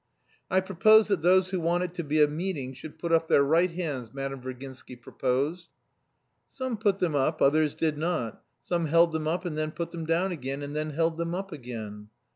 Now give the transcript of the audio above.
"I propose that those who want it to be a meeting should put up their right hands," Madame Virginsky proposed. Some put them up, others did not. Some held them up and then put them down again and then held them up again.